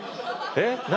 えっ何？